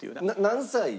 何歳？